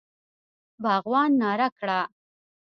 باغوان ناره کړه!